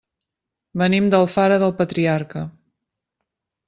Venim d'Alfara del Patriarca.